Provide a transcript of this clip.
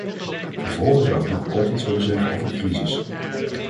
Vervolgens zou ik nog kort iets willen zeggen over de crisis.